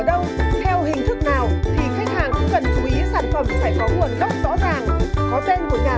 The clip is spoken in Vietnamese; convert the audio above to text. ở đâu theo hình thức nào thì khách hàng cần chú ý sản phẩm phải có nguồn gốc rõ ràng có tên của nhà